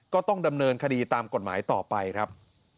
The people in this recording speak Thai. ก็ต้องดำเนินคดีตามกฎหมายต่อไปครับ